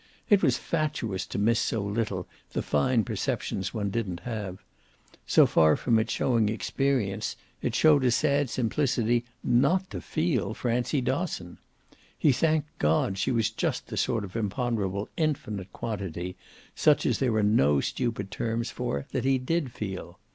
It was fatuous to miss so little the fine perceptions one didn't have: so far from its showing experience it showed a sad simplicity not to FEEL Francie Dosson. He thanked God she was just the sort of imponderable infinite quantity, such as there were no stupid terms for, that he did feel.